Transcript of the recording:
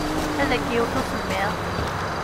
Ad k-yewwet usemmiḍ.